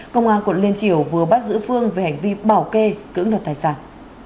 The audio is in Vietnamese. công an quận liên triều vừa bắt giữ phương về hành vi bảo kê cưỡng đoạt tài sản